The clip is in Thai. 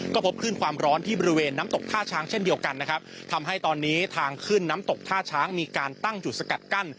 ก็พบคลื่นความร้อนที่บริเวณน้ำตกท่าช้างเช่นเดียวกันนะครับทำให้ตอนนี้ทางขึ้นน้ำตกท่าช้างมีการตั้งจุดสกัดกั้น